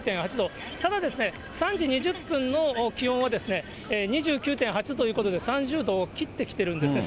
ただ、３時２０分の気温は２９．８度ということで、３０度を切ってきているんですね。